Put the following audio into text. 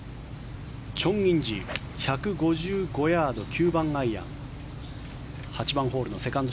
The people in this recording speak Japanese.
チョン・インジ１５５ヤード、９番アイアン。